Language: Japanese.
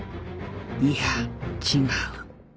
いや違う